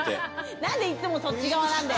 なんでいっつもそっち側なんだよ？